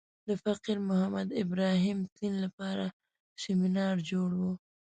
د فقیر محمد ابراهیم تلین لپاره سمینار جوړ و.